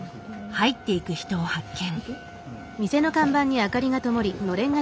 入っていく人を発見。